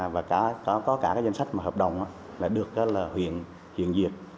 và có cả danh sách hợp đồng được huyện duyệt